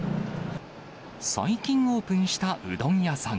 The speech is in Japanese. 最近オープンしたうどん屋さん。